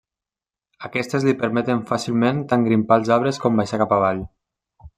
Aquestes li permeten fàcilment tant grimpar als arbres com baixar cap avall.